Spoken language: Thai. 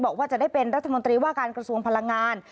บอกว่าจะได้เป็นรัฐมนตรีว่าการกระทรวงพลังงาน